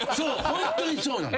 ホントにそうなの。